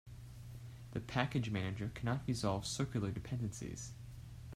The package manager cannot resolve circular dependencies.